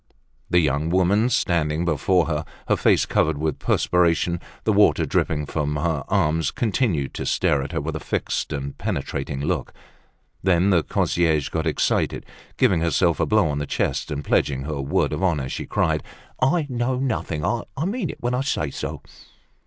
The young woman standing before her, her face covered with perspiration, the water dripping from her arms, continued to stare at her with a fixed and penetrating look. Then the concierge got excited, giving herself a blow on the chest, and pledging her word of honor, she cried: "I know nothing, I mean it when I say so!"